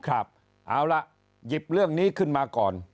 เอาล่ะหยิบเรื่องนี้ขึ้นมาก่อน